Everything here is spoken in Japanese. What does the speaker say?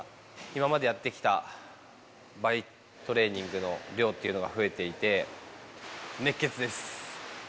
今までやってきた倍トレーニングの量というのが増えていて、熱血です。